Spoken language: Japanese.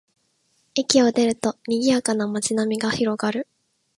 駅を出ると、にぎやかな街並みが広がる